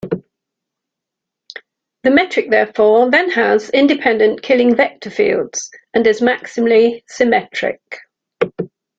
The metric therefore then has independent Killing vector fields and is maximally symmetric.